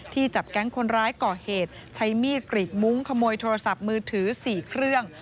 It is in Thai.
จับแก๊งคนร้ายก่อเหตุใช้มีดกรีดมุ้งขโมยโทรศัพท์มือถือ๔เครื่อง